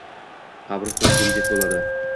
Qabriston jim-jit bo‘ladi.